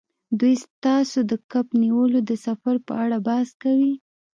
دوی ستاسو د کب نیولو د سفر په اړه بحث کوي